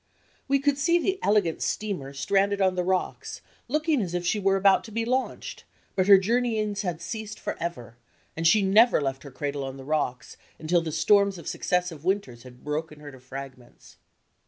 We could see the elegant steamer stranded on the rocks, looking as if she were about to be launched; but her journeyings had ceased forever, and she never left her cradle on the rocks until the storms of successive winters had broken her to fragments.